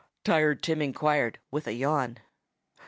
Tired Tim inquired with a yawn.